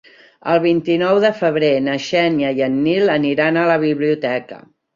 El vint-i-nou de febrer na Xènia i en Nil aniran a la biblioteca.